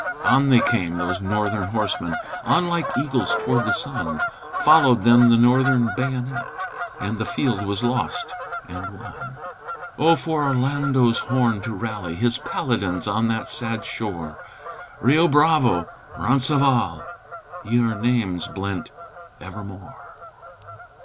On they came, those Northern horsemen, On like eagles toward the sun, Followed then the Northern bayonet, And the field was lost and won. Oh! for Orlando's horn to rally His Paladins on that sad shore, "Rio Bravo" "Roncesvalles," Ye are names blent evermore.